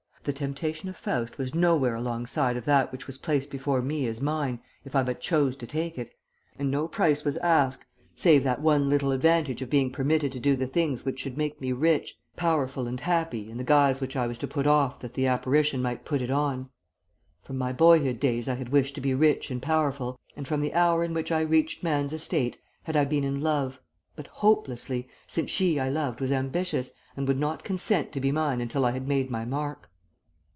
The temptation of Faust was nowhere alongside of that which was placed before me as mine if I but chose to take it, and no price was asked save that one little privilege of being permitted to do the things which should make me rich, powerful and happy in the guise which I was to put off that the apparition might put it on. From my boyhood days I had wished to be rich and powerful, and from the hour in which I reached man's estate had I been in love, but hopelessly, since she I loved was ambitious, and would not consent to be mine until I had made my mark.